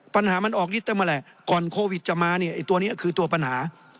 ปัญหามันออกนิดแต่มาแหละก่อนโควิดจะมาเนี่ยตัวนี้คือตัวปัญหา